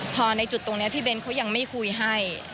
พอในจุดตรงนี้พี่เบ้นเขายังไม่คุยให้